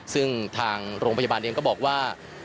ซึ่งทางโรงพยาบาลเองก็บอกว่า